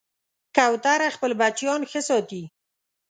کوتره خپل بچیان ښه ساتي.